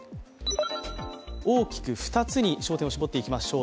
大きく２つに焦点を絞っていきましょう。